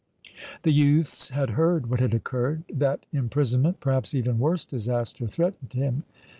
The youths had heard what had occurred that imprisonment, perhaps even worse disaster, threatened him.